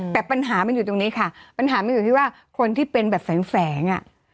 แต่ปัญหามันอยู่ตรงนี้ค่ะปัญหามันอยู่ที่ว่าคนที่เป็นแบบแฝงอ่ะ